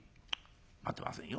「待てませんよ。